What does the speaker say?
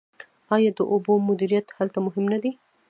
آیا د اوبو مدیریت هلته مهم نه دی؟